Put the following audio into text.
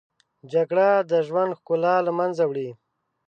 جګړه د ژوند ښکلا له منځه وړي